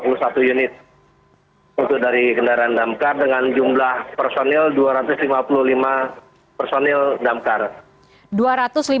lima puluh satu unit dari kendaraan damkar dengan jumlah personil dua ratus lima puluh lima personil damkar